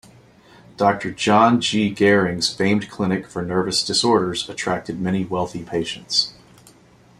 Doctor John G. Gehring's famed clinic for nervous disorders attracted many wealthy patients.